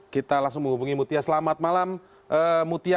kita langsung menghubungi mutia selamat malam mutia